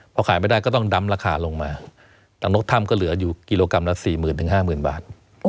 พอขายไม่ได้ก็ต้องดำราคาลงมารังนกถ้ำก็เหลืออยู่กิโลกรัมละสี่หมื่นถึงห้าหมื่นบาท